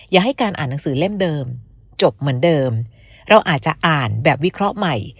อย่าให้การอ่านหนังสือเล่มเดิมจบเหมือนเดิมเราอาจจะอ่านแบบวิเคราะห์ใหม่